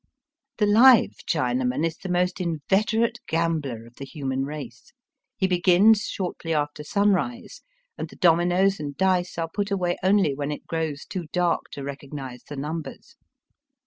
The Uve Chinaman is the most inveterate gambler of the human race. He begins shortly after sunrise, and the dominoes and dice are put away only when it grows too dark to recog nize the numbers.